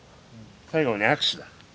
最後に握手だ。